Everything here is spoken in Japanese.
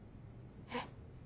えっ？